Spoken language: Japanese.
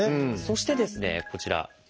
そしてですねこちら。